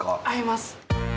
合います。